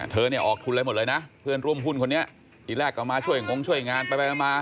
เนี่ยออกทุนอะไรหมดเลยนะเพื่อนร่วมหุ้นคนนี้ทีแรกก็มาช่วยงงช่วยงานไปไปมา